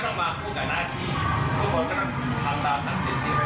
ในสังคมไทยเขาก็ยังให้ความเห็นดู